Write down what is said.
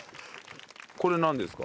これなんですか？